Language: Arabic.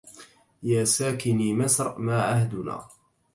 يا ساكني مصر ما عهدنا